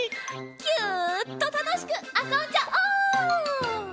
ギュッとたのしくあそんじゃおう！